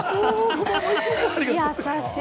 優しい。